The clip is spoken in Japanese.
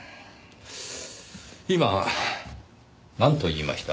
今なんと言いました？